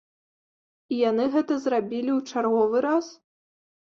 І яны гэта зрабілі ў чарговы раз.